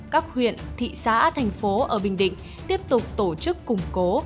các huyện thị xã thành phố ở bình định tiếp tục tổ chức củng cố